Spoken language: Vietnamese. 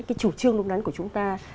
cái chủ trương đúng đắn của chúng ta